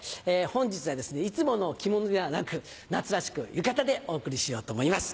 本日はいつもの着物ではなく夏らしく浴衣でお送りしようと思います。